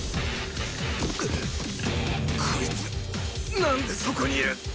こいつなんでそこにいる！？